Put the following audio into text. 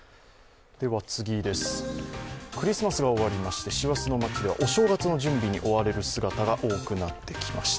クリスマスが終わりまして師走の街ではお正月の準備に追われる姿が多くなってきました。